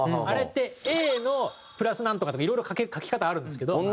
あれってＡのプラスなんとかとかいろいろ書き方あるんですけど。